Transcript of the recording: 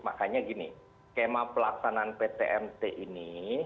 makanya gini skema pelaksanaan ptmt ini